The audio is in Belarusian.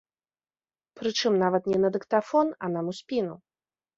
Прычым, нават не на дыктафон, а нам у спіну.